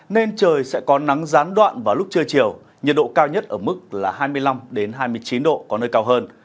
nên trời sẽ có nắng gián đoạn vào lúc trưa chiều nhiệt độ cao nhất ở mức là hai mươi năm hai mươi chín độ có nơi cao hơn